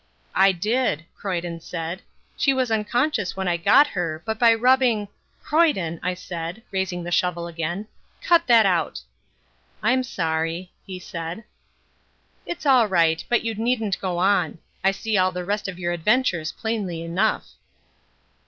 "I did," Croyden said; "she was unconscious when I got her, but by rubbing " "Croyden," I said, raising the shovel again, "cut that out." "I'm sorry," he said. "It's all right. But you needn't go on. I see all the rest of your adventures plainly enough."